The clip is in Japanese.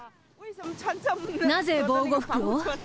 なぜ防護服を？